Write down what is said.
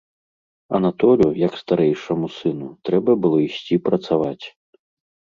Анатолю, як старэйшаму сыну, трэба было ісці працаваць.